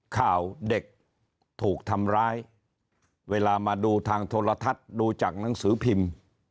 ข่าวเด็กถูกทำร้ายเวลามาดูทางโทรทัศน์ดูจากหนังสือพิมพ์